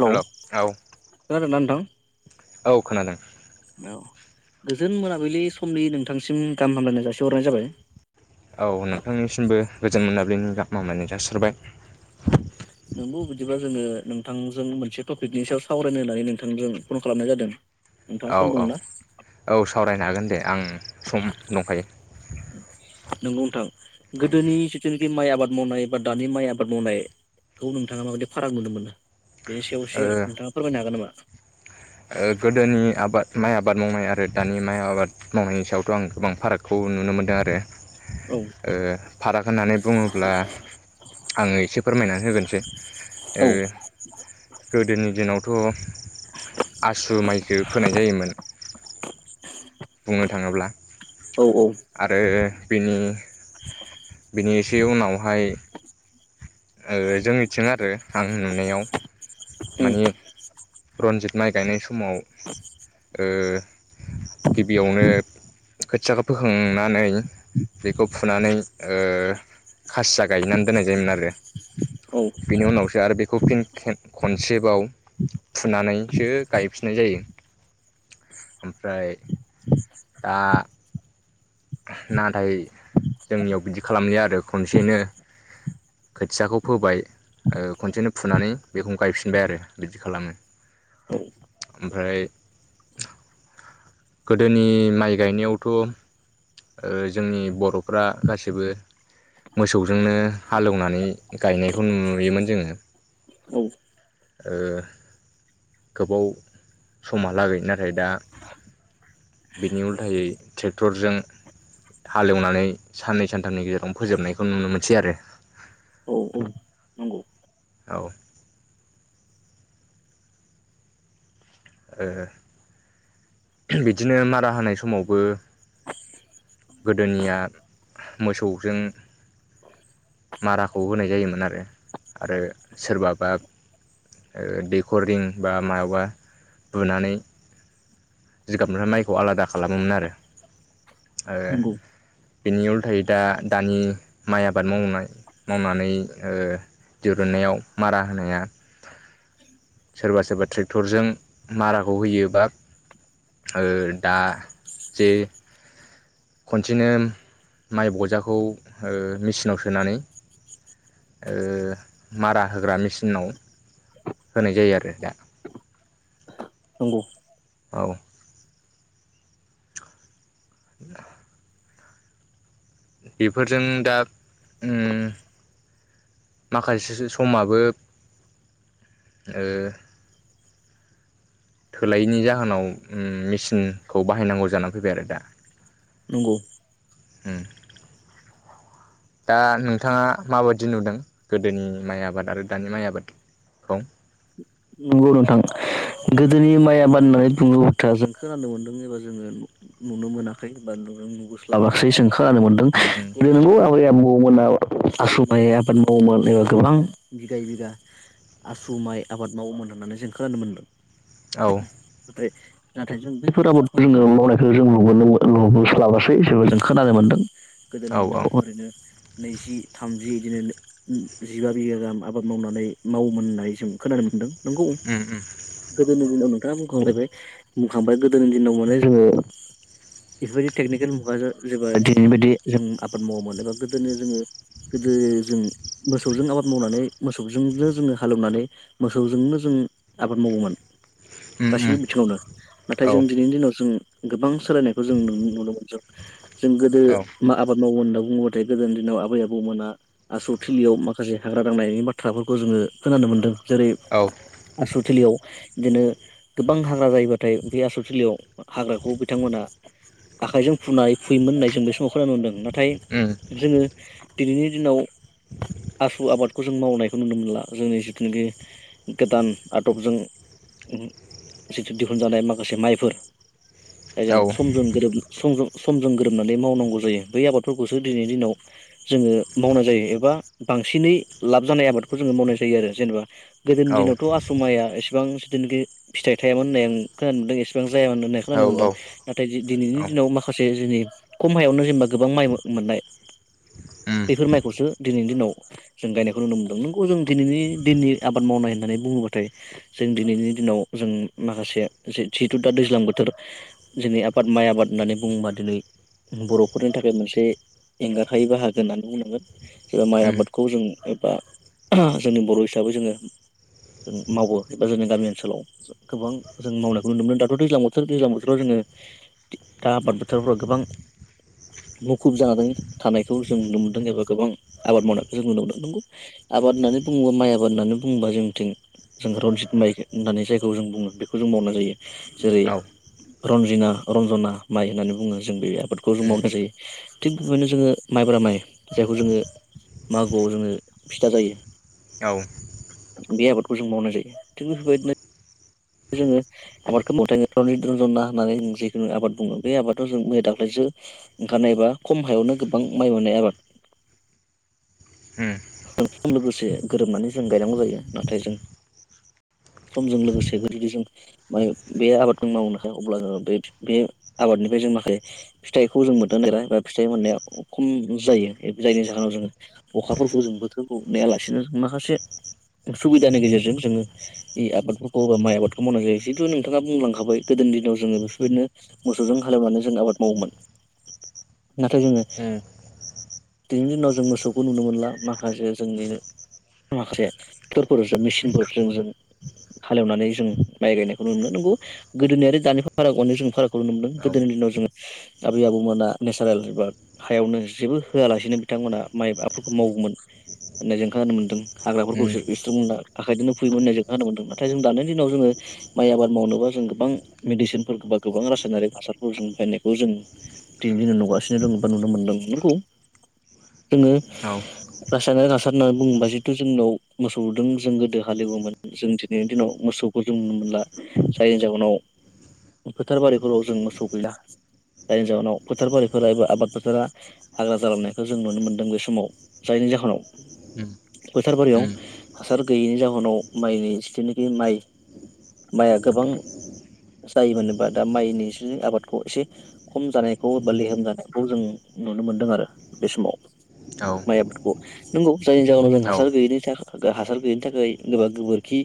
हेल' खोनादोंना नोंथां औ खोनादों औ गोजोन मोनाबिलि समनि नोंथांसिम गाहाम हामलायनाय जासिहरनाय जाबाय औ नोंथांनिसिमबो गोजोन मोनाबिलिनि गाहाम हामलायनाय जासिहरबाय नोंगौ बिदिबा जोङो नोंथांजों मोनसे टपिकनि सायाव सावरायनो होननानै नोंथांजों फन खालामनाय जादों नोंथाङा सम औ औ दंना? औ सावरायनो हागोन दे आं सम दंखायो नोंगौ नोंथां गोदोनि जिथुनाखि माइ आबाद मावनाय बा दानि माइ आबाद मावनाय खौ नोंथाङा माबायदि फाराग नुनो मोनो बेनि सायाव ओ एसे नोंथाङा फोरमायनो हागोन नामा? ओ गोदोनि आबाद माइ आबाद मावनाय आरो दानि माइ आबाद मावनायनि सायावथ' आं गोबां फारागखौ नुनो मोनदों आरो औ ओ फाराग होननानै बुङोब्ला आङो एसे फोरमायना होगोनसै ओ औ गोदोनि दिनावथ' ओ माइखो फोनाय जायोमोन बुंनो थाङोब्ला औ औ आरो बेनि बेनि टि उनावहाय ओ जोंनिथिं आरो आं नुनायाव उम मानि रन- जित माइ गायनाय समाव ओ गिबियावनो खोथियाखौ फोखांनानै बेखौ फुनानै ओ खासिया गायनानै दोननाय जायोमोन आरो औ बेनि उनावसो आरो बेखौ फिन खेब खनसेबाव फुनानैसो गायफिननाय जायो ओमफ्राय दा नाथाय जोंनियाव बिदि खालामलिया आरो खनसेनो खोथियाखौ फोबाय ओ खनसेनो फुनानै बेखौनो गायफिनबाय आरो बिदि खालामो औ ओमफ्राय गोदोनि माइ गायनायावथ' ओ जोंनि बर'फ्रा गासिबो मोसौजोंनो हालेवनानै गायनायखौ नुयोमोन जोङो औ ओ गोबाव समहा लागै नाथाय दा बेनि उलथायै ट्रेक्टरजों हालेवनानै साननै सानथामनि गेजेरावनो फोजोबनायखौ नुनो मोनसै आरो औ औ औ ओ बिदिनो मारा होनाय समावबो गोदोनिया मोसौजों माराखौ होनाय जायोमोन आरो आरो सोरबाबा ओ दैेखररिं बा मायावबा बुनानै जिगाबनिफ्राय माइखौ आलादा खालामोमोनआरो आरो नंगौ बिनि उल्थायै दा दानि माइ आबाद मावनाय मावनानै ओ दिहुननायाव मारा होनाया सोरबा सोरबा ट्रेक्टरजों माराखौ होयो बा आरो दा जे खनसेनो माइ बजाखौ ओ मिचिनाव सोनानै ओ मारा होग्रा मिचिनाव होनाय जायो आरो दा नंगौ औ [inaudible] बेफोरजों दा उम माखासे जिसोसो समाबो ओ थोलायैनि जाहोनाव उम मिचिनखौ बाहायनांगौ जानानै फैबाय आरो दा नंगौ उम दा नोंथाङा माबायदि नुदों गोदोनि माइ आबाद आरो दानि माइ आबाद? खौ नंगौ नोंथां गोदोनि माइ आबाद होननानै बुङो बुथा जों खोनानो मोनदों एबा जोंङो नुनो मोनाखै बा नुनो नुबोस्लाबासै खोनानो मोनदों उम उम नंगौ आबै आबौमोना आसु माइ आबाद मावोमोन एबा गोबां बिगायै बिगा आसु माइ आबाद मावोमोन होननानै जों खोनानो मोनदों औ नाथाय नाथाय जों बैफोर आबादखौ जोंङो मावनायखौ जों नुुबोनो मो नुबोस्लाबासै थेवबो जों खोनानो मोन्दों । गोदोनि औ औ दिनाव ओरैनो नैजि थामजि बिदिनो जिबा बिगा गाहाम आबाद मावनानै मावोमोन होननानै जों खोनानो मोन दों नंगौ उम उम गोदोनि दिनाव नों थांङा बुंखांलायबाय बुंखांबाय गोदोनि दिनाव माने जोंङो बेफोरबायदि टेकनिकेल मुगाजों जोंङो दिनैनि बायदि जों आबाद मावोमोन एबा गोदो जोंङो गोदो दो जों मोसौजों आबाद मावनानै मोसौजोंनो जोंङो हालेवनानै मोसौजोंनो जों आबाद मावोमोन उम उम गासैबो बिथिङावनो नाथाय औ जों दिनैनि दिनाव जों गोबां सोलायनायखौ जों नु नुनो मोनदों जों गोदो औ मा आबाद मावो होनना बुङोबाथाय गोदोनि दिनाव आबै आबौमोना आसु थिलियाव माखासे हाग्रा दांनायनि बाथ्राफोरखौ जोंङो खोनानो मोन्दों जेरै औ आस्रु थिलियाव बिदिनो गोबां हाग्रा जायोबाथाय बे आसल थिलियाव हाग्राखौ बिथांमोना आखाइजों फुनाय फुयोमोन होननाय जों बे समाव खोनानो मोनदों नाथाय उम जोंङो दिनैनि दिनाव आसु आबादखौ जों मावनायखौ नुनो मोनला जोंनि जिथुनाखि गोदान आदबजों उमहो जिथु दिहुनजानाय माखासे माइफोर जायजों औ समजों गोरोब समजों समजों गोरोबनानै मावनांगौ जायो बै आबादफोरखौसो दिनैनि दिनाव जोंङो मावनाय जायो एबा बांसिनै लाब जानाय आबादखौ जोंङो मावनाय जायो आरो जेनेबा गोदोनि औ दिनावथ' आस्रम माइया एसेबां जिथुनाखि फिथाइ थायामोन होननाय आं खोनानो मोनदों एसेबां जायामोन होननाय औ खोनानो मोनदों नाथाय दिनैनि दिनाव माखासे दिनै खम हायावनो जेनेबा गोबां माइ मोननाय उम उम बेफोर माइखौसो दिनैनि दिनाव जों गायनायखौ नुनो मोनदों नंगौ जों दिनैनि दिननि आबाद मावनाय होननानै बुङोब्लाथाय जों दिनैनि दिनाव जों माखासे जि जिहेथु दा दैज्लां बोथो थोर जोंनि आबाद माइ आबाद होननानै बुङोबा दिनै बर'फोरनि थाखाय मोनसे एंगारहायै बाहागो होननानै बुंनांगोन जोङो माइ औ आबादखौ जों एबा जोंनि बर' हिसाबै जोङो जों मावबोआखै बा जोंनि गामि ओनसोलाव गोबां जों मावनायखौ नुनो मोनो दाथ' दैज्लां बोथोर दैज्लां बोथोराव जोङो दा आबाद बोथोरफोराव गोबां मुखुब जानानै थानायखौ जों नुनो मोनदों एबा गोबां आबाद मावनायखौ जों नुनो मोनदों नोंगौ आबाद होननानै बुङोबा माइ आबाद होननानै बुंङोबा जोंनिथिं जों रन्जित माइखो होननानै जायखौ जों बुङो बेखौ जों मावनाय जायो जेरै रजिङा रन्जना माइ होननानै बुङो जों बे आबादखौ जों उम औ उम औ उम औ उम मावनाय जायो थिग बेबायदिनो जोङो माइब्रा माइ जायखौ जोङो मागोआव जोङो फिथा जायो औ बे आबादखौ जों मावनाय जायो थिग बेफोरबायदिनो जोङो आबादखौ मावथाङो थारमाने रन्जना होननानै जों जिखुनु आबाद बुङो बे आबादाव जों मैया दाख्लै सो ओंखारनायबा खम हायावनो गोबां माइ मोननाय आबाद [unintelligible] लोगोसे गोरोबनानै जों गायनांगौ जायो नाथाय जों समजों लोगोसे जुदि जों माइ बे आबादखौ मावनो हाया अब्ला जोङो बे बे आबादनिफ्राय जों जों माखासे फिथाइखौ जों मोनदांफेरा बा फिथाइ मोननाया खम जायो जायनि जाहोनाव जों अखाफोर खौ जों बोथोरखौ नायालासिनो माखासे सुबिदानि गेजेरजों जोङो आबादफोरखौ बा माइ आबादखौ मावनाय जायो जिथु नोंथाङा बुंलांखाबाय गोदो दोनि दिनाव जोङो बेफोरबायदिनो मोसौजों हालेवनानै जों आबाद मावोमोन नाथाय जोङो दिनैनि दिनाव जों मोसौखौ नुनो मोनला माखासे जोंनि माखासे ट्रेक्टरफोरजों मेचिनफोरजों जों हालेवनानै जों माइ गायनायखौ नुनो मोनो नोंगौ गोदोनि आरो दानि फारागखौनो जोंनि फारागखौ नुनो मोनदों गोदोनि दिनाव जों आबै आबौमोना नेचारेल एबा हायावनो जेबो होआलासिनो बिथांमोना माइ आबादफोरखौ मावोमोन होननाय जेंखाङानो मोन्दों हाग्राफोरखौ इसे इसस्रांना आखाइदोंनो फुयोमोन होननाय जों खोनानो मोन्दों नाथाय जों दानि दिनाव जोङो माइ आबाद मावनोबा जों गोबां मेडिसिनफोर बा गोबां रासायनारिक हासारखौ जों बायनायखौ जों दिनै दिननो नुगासिनो दङ बा नुनो मोनदों नंगौ जोङो रासायनारि हासार होननानै बुङोबा जिहेथु जोंनाव मोसौदों जों गोदो हालौवोमोन जों दिनैनि दिनाव मोस सौफोरजों नुनो मोनला जायनि जाहोनाव फोथार बारिफोराव जों मोसौ गैला जायनि जाहोनाव फोथार बारिफोरबो आबाद फोथारा हाग्रा जालांनायखौ जों नुनो मोनदों बे समाव जायनि जाहोनाव फोथार बारियाव हासार गैयैनि जाहोनाव माइनि जिथुनाखि माइ माइया गोबां जायोमोनोबा दा माइनि इसे आबादखौ एसे खम जानायखौ बि लेहोम जानायखौ जों नुनो मोनदों आरो बे समाव माइ आबादफोरखौ नंगौ जायनि जाहोनाव जों हासार गैयैनि थाखाय गो हासार गैयिनि थाखाय एबा गोबोरखि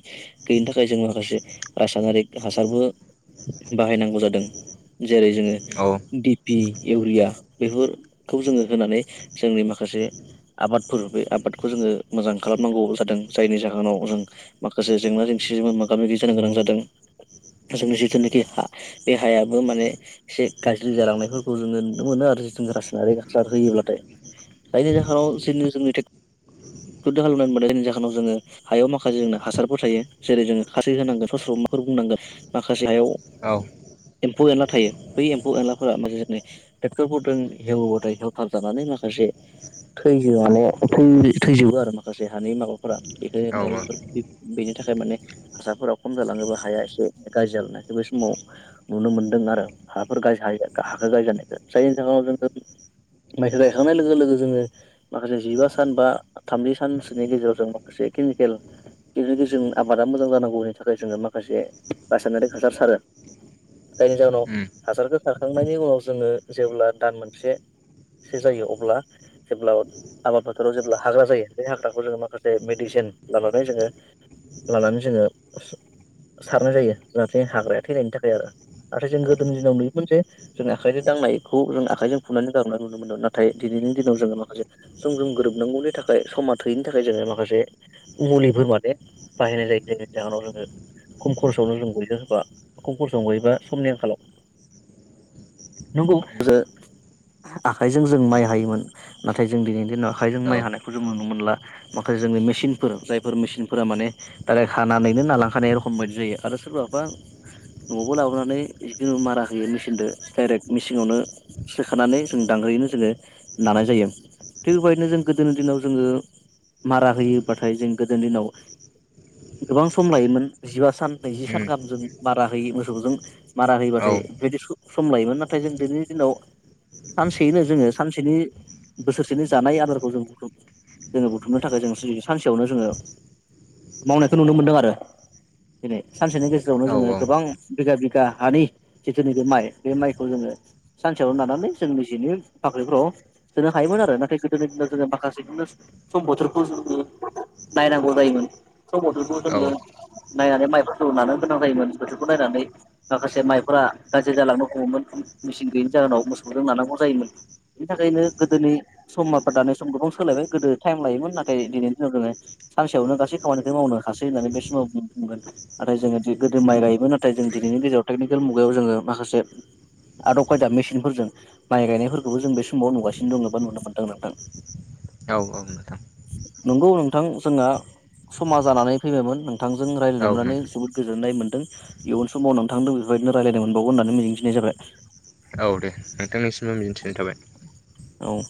गैयिनि थाखाय जों माखासे रासायनारि हासारबो बाहायनांगौ जादों जेरै जोङो दिपि इउरिया बेफोरखौ जोङो होनानै जोंनि माखासे आबादफोर बे आबादखौ जोङो मोजां खालामनांगौ जादों जायनि जाहोनाव जों माखासे जों जों सि मोगा मोगि जानो गोनां जादों जोंनि जिथुनाखि हा बे हायाबो माने एसे गाज्रि जालांनायफोरखौ जोङो नुनो मोनो आरो जिथुं रासायनारि हासार होयोब्लाथाय जायनि जाहोनाव जोङो जोंनि थेख फोद दाहालहोना मोदे जोंनि जाहोनाव जोङो हायाव माखासे जोंना हासारफोर थायो जेरै जोङो खाससि होनांगोन फस्र माफोर बुंनांगोन माखासे हायाव औ एम्फौ एनला थायो बै एम्फौ एनलाफोरा माखसे जोंनि ट्रेक्टरफोरजों हेवोबाथाय हेवथार जानानै माखा से थैजो माने थैजोबो आरो माखासे हानि माबाफोरा बेखौ माने बेफोर बे बेनि थाखाय माने हासारफोराव खम जालाङोबा हाया एसे गाज्रि जालांनायखौबो बे समाव नुनो मोनदों आरो हाफोर गायस हायो हाखौ गायजेननायखौ जायनि जाहोनाव जोंङो माइखौ गायखांनाय लोगो लोगो जोङो माखासे जिबा सान बा थामजि सानसोनि गेजेराव जों माखासे केनिकेल बेनिगेजेर जों आबादा मोजां जानांगौनि थाखाय जोंङो माखासे बासायनारि हासार सारो जायनि जाहोनाव हासारखौ खारखांनायनि उनाव जोंङो जेब्ला दान मोनसे सो जायो अब्ला जेब्ला आबाद फोथोराव जेब्ला हाग्रा जायो बे हाग्राखौ जोंङो माखासे मेडिसिन लानानै जोंङो लानानै जोंङो सा सारनाय जायो जाहाथे हाग्राया थैनायनि थाखाय आरो नाथाय जों गोदोनि दिनाव नुयोमोन जे जों आखाइजों दांनायखौ जों आखाइजों फुनानै गारहरनायखौ नुनो मोनो नाथाय दिनैनि दिन नाव जोंङो माखासे जों जुम गोरोबनांगौनि थाखाय समा थोयैनि थाखाय जोंङो माखासे मुलिफोर माने बाहायनाय जायो जेनि जाहोनाव जोंङो खम खरसावनो जों गयो होनबा खम खरसायावनो गयोबा समनि आंखालाव नंगौ आखाइजों जों माइ हायोमोन नाथाय जों दिनैनि दिनाव आखाइजों माइ हानायखौ जों नुनो मोनला माखासे जोंनि मेसिनफोर जायफोर मेसिनफोरा माने डायरेक्ट हानानैनो नालांखानायखाय रखमबादि जायो आरो सोरबाफा न'आवबो लाबोनानै जिखुनु मारा होयो मेचिनजों डाइरेक्ट मिसिङावनो सोखानानै जों दांग्रैयैनो जोंङो नानाय जायो थिग बेबायदिनो जों गोदोनि दिनाव जोंङो मारा होयोबाथाय जों गोदोनि दिनाव गोबां सम लायोमोन जिबा सान नैजि सान गाहाम जों मारा होयो मोसौजों मारा होयोबाथाय बेदि सम लायोमोन नाथाय जों दिनैनि दिनाव सानसेयैनो जोंङो सानसेनि बोसोरसेनि जानाय आदारखौ जों बुथुम जोंङो बुथुमनो थाखाय जोंङो सि सानसेयावनो जोंङो मावनायखौ नुनो मोनदों आरो दिनै सानसेनि गेजेरावनो जोंङो गोबां बिगा बिगा हानि जिथुनाखि माइ बे माइखौ जोंङो सानसेयावनो नानानै जों निजिनो भाख्रिफोराव सोनो हायोमोन आरो नाथाय गोदोनि दिनाव जोंङो माखासेखौनो सम बोथोरखौ जोंनि नायनांगौ जायोमोन । [unintelligible] बोथोरखौ औ जोङो औ नायनानै माइफोरखौ नानो गोनां जायोमोन बोथोरखौ नायनानै माखासे माइफोरा गाज्रि जालांनो हमोमोन मेचिन गोयैनि जाहोनाव मोसौजों नानांगौ जायोमोन दा बिनि थाखायनो गोदोनि सम दानि सम गोबां सोलायबाय गोदो टाइम लायोमोन नाथाय दिनैनि दिनाव जोङो सानसेयावनो गासै खामानिखौ मावनो हासै होननानै बे समाव बुं-बुंगोन नाथाय जोंङो दि गोदो माइ गायोबा नाथाय जों दि नैनि गेजेराव टेकनिकेल मुगायाव जोंङो माखासे आदब खायदा मेसिनफोरजों माइ गायनायफोरखौबो जों बे समाव नुगासिनो दङ एबा नुनो मोन्दों नोंथां । नोंथां नंगौ नोंथां जोङा समा जानानै फैबायमोन नों थांजों रायलाय औ नोंथां मोननानै जोबोद गोजोन्नाय मोनदों इयुन समाव नोंथांदो बेबायदिनो रायलायनो मोनबावगोन होननानै मिजिंथि नाय जाबाय । औ दे नोंथांनिसिमबो मिजिंथिनाय थाबाय । औ ।